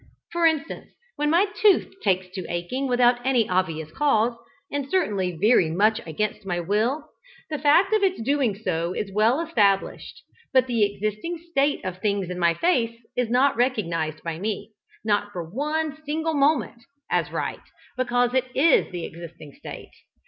For instance, when my tooth takes to aching without any obvious cause, and certainly very much against my will, the fact of its doing so is well established, but the existing state of things in my face is not recognised by me not for one single moment as right because it is the existing state.